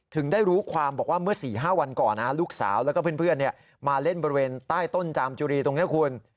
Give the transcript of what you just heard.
ถึงได้รู้ความบอกว่าเมื่อ๔๕วันก่อนลูกสาวแล้วก็เพื่อนมาเล่นบริเวณใต้ต้นจามจุรีตรงนี้คุณ